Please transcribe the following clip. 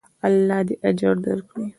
الله دې اجر درکړي.